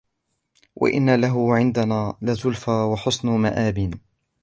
وَإِنَّ لَهُ عِنْدَنَا لَزُلْفَى وَحُسْنَ مَآبٍ